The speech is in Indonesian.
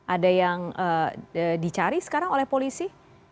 ada yang dicari sekarang oleh polisi